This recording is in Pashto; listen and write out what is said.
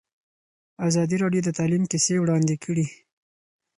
ازادي راډیو د تعلیم کیسې وړاندې کړي.